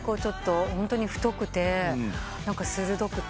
ホントに太くて鋭くて。